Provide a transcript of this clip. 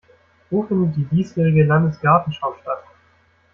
Wo findet die diesjährige Landesgartenschau statt?